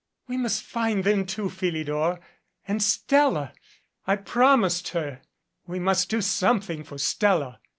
"We must find them, too, Philidor. And Stella I promised her. We must do something for Stella."